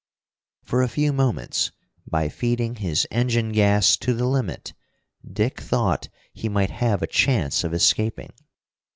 For a few moments, by feeding his engine gas to the limit, Dick thought he might have a chance of escaping.